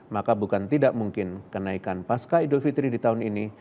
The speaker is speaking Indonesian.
maka bukan tidak mungkin kenaikan pasca idul fitri di tahun ini